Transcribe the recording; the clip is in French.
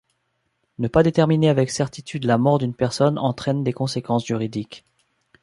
Ne pas déterminer avec certitude la mort d'une personne entraîne des conséquences juridiques.